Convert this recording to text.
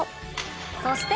そして